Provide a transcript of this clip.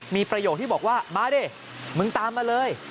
มีประโยคที่บอกว่ามาดิมึงตามมาเลย